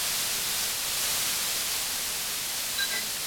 但是对外必须保密。